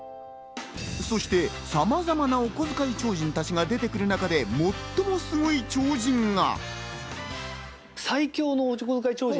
そして、さまざまなおこづかい超人たちが出てくる中で、最もすごい超人が。